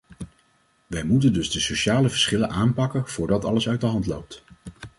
Wij moeten dus de sociale verschillen aanpakken voordat alles uit de hand loopt.